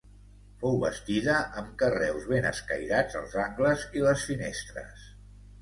Fou bastida amb carreus ben escairats als angles i les finestres.